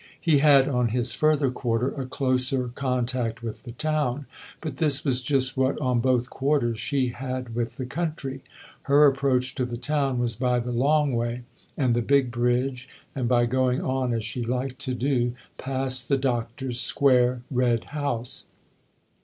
He had on his further quarter a closer contact with the town ; but this was just what on both quarters she had with the country. Her approach to the town was by the " long way " and the big bridge, and by going on, as she liked to do, past the Doctor's square red house.